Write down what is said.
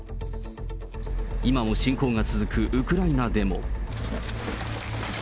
今も侵攻が続くウクライナでも。